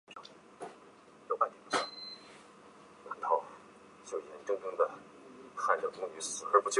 新几内亚岛一般不纳入马来群岛之范畴。